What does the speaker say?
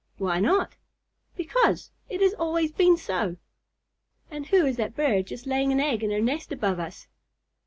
"Why not?" "Because. It has always been so." "And who is that bird just laying an egg in her nest above us?"